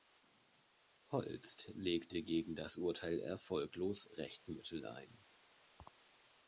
Holst legte gegen das Urteil erfolglos Rechtsmittel ein.